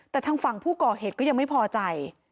แต่ทางฝั่งผู้ก่อเหตุก็ยังไม่พอใจ